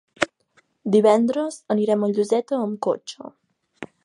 Divendres anirem a Lloseta amb cotxe.